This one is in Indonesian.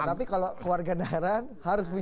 tapi kalau keluarga negaraan harus punya